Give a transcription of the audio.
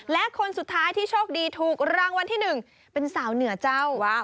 และคนสุดท้ายที่โชคดีถูกรางวัลที่๑เป็นสาวเหนือเจ้า